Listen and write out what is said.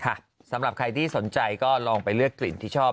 สำหรับใครที่สนใจก็ลองไปเลือกกลิ่นที่ชอบ